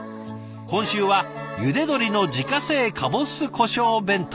今週はゆで鶏の自家製かぼす胡椒弁当。